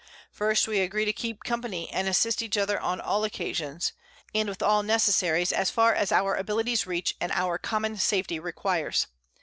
_First we agree to keep company, and assist each other on all Occasions, and with all Necessaries, as far as our Abilities reach, and our common Safety requires.